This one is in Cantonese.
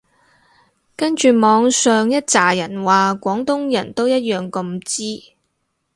跟住網上一柞人話廣東人都一樣咁支